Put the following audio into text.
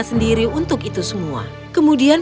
sendiri untuk itu semua kemudian